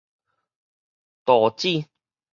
廚子